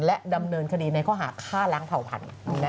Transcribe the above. และดำเนินคดีในข้อหาฆ่าล้างเผ่าพันธุ์